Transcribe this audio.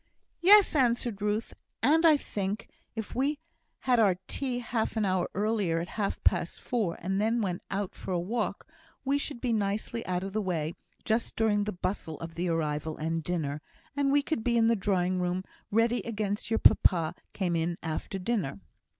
"Yes," answered Ruth. "And I think if we had our tea half an hour earlier, at half past four, and then went out for a walk, we should be nicely out of the way just during the bustle of the arrival and dinner; and we could be in the drawing room ready against your papa came in after dinner."